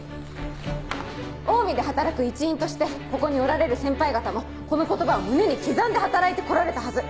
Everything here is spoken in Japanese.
オウミで働く一員としてここにおられる先輩方もこの言葉を胸に刻んで働いて来られたはず。